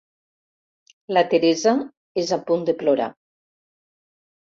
La Teresa és a punt de plorar.